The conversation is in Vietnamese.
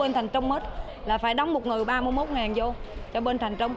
bên thành trung mất là phải đóng một người ba mươi một vô cho bên thành trung